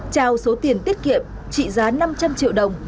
trao số tiền tiết kiệm trị giá năm trăm linh triệu đồng